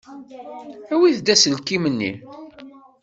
Awit-d aselkim-nni.